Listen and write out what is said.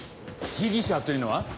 被疑者というのは？